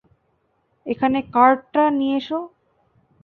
এখানে কার্টটা নিয়ে আসো!